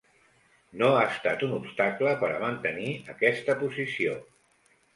No ha estat un obstacle per a mantenir aquesta posició.